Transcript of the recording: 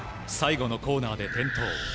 最後のコーナーで転倒。